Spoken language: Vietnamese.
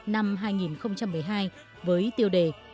năm hai nghìn một mươi hai với tiêu đề